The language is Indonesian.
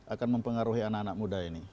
akan mempengaruhi anak anak muda ini